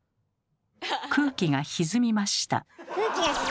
空気がひずみました。